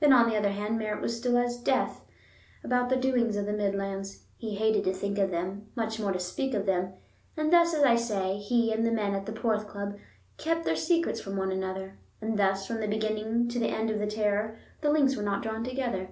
Then, on the other hand, Merritt was as still as death about the doings of the Midlands; he hated to think of them, much more to speak of them; and thus, as I say, he and the men at the Porth Club kept their secrets from one another; and thus, from the beginning to the end of the terror, the links were not drawn together.